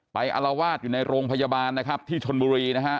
ไปอลาวาสอยู่ในโรงพยาบาลที่ชนบุรี